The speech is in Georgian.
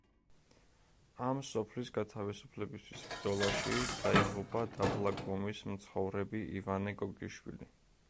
ამ სოფლის გათავისუფლებისთვის ბრძოლაში დაიღუპა დაბლაგომის მცხოვრები ივანე გოგიშვილი.